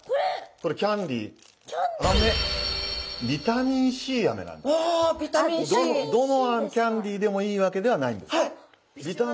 どのキャンディーでもいいわけではないんです。